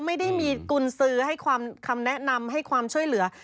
ไม่ได้มีกุญสือให้คำแนะนำให้ความช่วยเหลือ